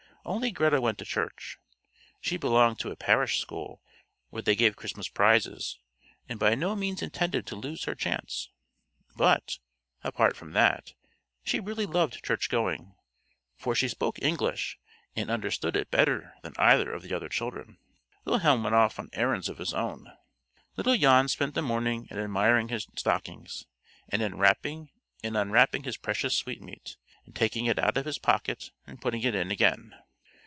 Only Greta went to church. She belonged to a parish school where they gave Christmas prizes, and by no means intended to lose her chance; but, apart from that, she really loved church going, for she spoke English and understood it better than either of the other children. Wilhelm went off on errands of his own. Little Jan spent the morning in admiring his stockings, and in wrapping and unwrapping his precious sweetmeat, and taking it out of his pocket and putting it in again.